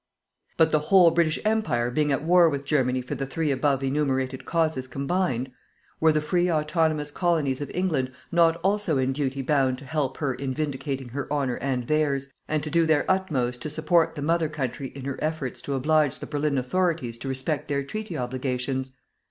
But the whole British Empire being at war with Germany for the three above enumerated causes combined, were the free autonomous Colonies of England not also in duty bound to help her in vindicating her honour and theirs, and to do their utmost to support the Mother Country in her efforts to oblige the Berlin Authorities to respect their treaty obligations!